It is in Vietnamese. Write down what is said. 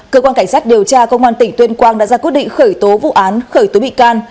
cơ quan cảnh sát điều tra công an tỉnh tuyên quang đã ra quyết định khởi tố vụ án khởi tố bị can